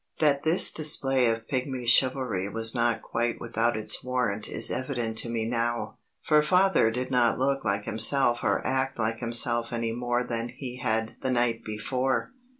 That this display of pigmy chivalry was not quite without its warrant is evident to me now, for Father did not look like himself or act like himself any more than he had the night before.